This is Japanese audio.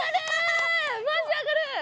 マジあがる！